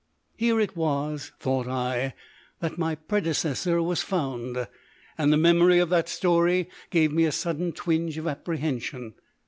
Here it was, thought I, that my predecessor was found, and the memory of that story gave me a sudden twinge of apprehension.